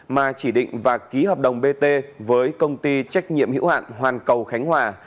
mà chỉ định và ký hợp đồng bt với công ty trách nhiệm hữu hạn hoàn cầu khánh hòa